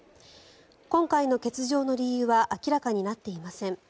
今回の欠場の理由は明らかになっていません。